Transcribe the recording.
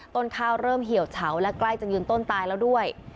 ต้นข้าวเริ่มเหี่ยวเฉาและใกล้จะยืนต้นตายแล้วด้วย